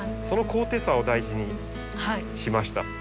その高低差を大事にしました。